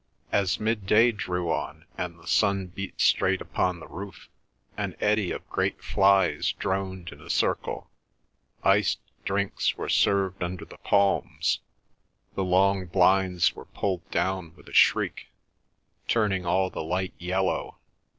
As midday drew on, and the sun beat straight upon the roof, an eddy of great flies droned in a circle; iced drinks were served under the palms; the long blinds were pulled down with a shriek, turning all the light yellow.